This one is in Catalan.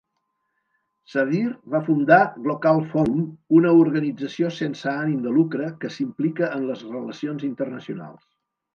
Savir va fundar Glocal Forum, una organització sense ànim de lucre que s'implica en les relacions internacionals.